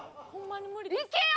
行けよ！！